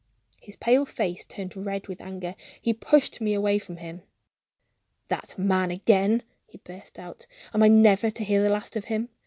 His pale face turned red with anger; he pushed me away from him. "That man again!" he burst out. "Am I never to hear the last of him?